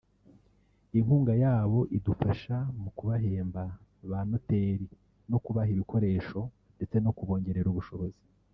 inkunga yabo idufasha mu ku bahemba (ba noteri) no kubaha ibikoresho ndetse no kubongerera ubushobozi